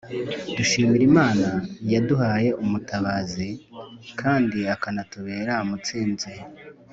dushimir’imana yaduhaye mutabazi kandi akanatubera mutsinzi